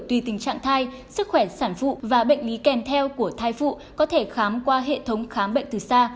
tùy tình trạng thai sức khỏe sản phụ và bệnh lý kèm theo của thai phụ có thể khám qua hệ thống khám bệnh từ xa